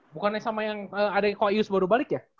bukannya sama yang ada yang koius baru balik ya